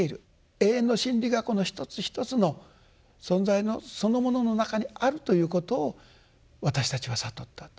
永遠の真理がこの一つ一つの存在のそのものの中にあるということを私たちは悟ったと。